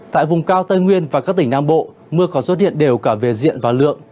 tại vùng cao tây nguyên và các tỉnh nam bộ mưa còn xuất hiện đều cả về diện và lượng